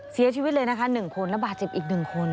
เสียชีวิตเลยนะคะ๑คนและบาดเจ็บอีก๑คน